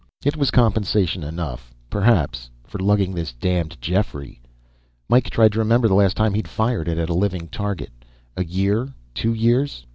It was compensation enough, perhaps, for lugging this damned Jeffrey. Mike tried to remember the last time he'd fired it at a living target. A year, two years?